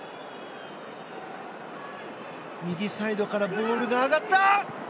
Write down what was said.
右サイドからボールが上がった。